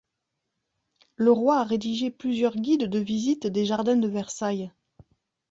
Le roi a rédigé plusieurs guides de visite des jardins de Versailles.